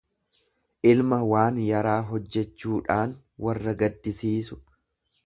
ilma waan yaraa hojjechuudhaan warra gaddisiisu.